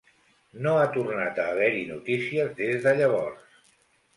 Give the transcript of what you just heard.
No ha tornat a haver-hi notícies des de llavors.